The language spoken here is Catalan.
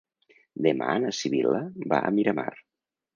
Demà na Sibil·la va a Miramar.